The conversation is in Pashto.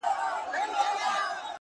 • د غوايي په څېر مي غټي پښې لرلای ,